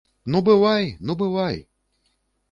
Ну бывай, ну бывай!